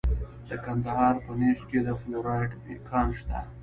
د کندهار په نیش کې د فلورایټ کان شته.